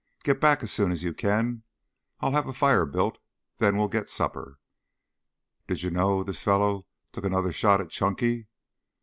"Get back as soon as you can. I'll have a fire built, then we'll get supper. Did you know this fellow took another shot at Chunky?"